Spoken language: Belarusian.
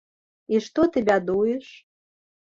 І што ты бядуеш?